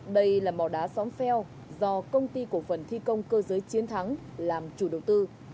đây là mỏ đá xóm pheo do công ty cổ phần thi công cơ giới chiến thắng làm chủ đầu tư